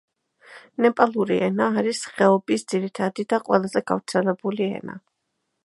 ნეპალური ენა არის ხეობის ძირითადი და ყველაზე გავრცელებული ენა.